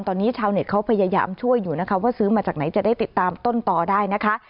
ตอนนี้ชาวเน็ตเขาพยายามช่วยอยู่นะคะว่าซื้อมาจากไหนจะได้ติดตามต้นต่อได้นะคะ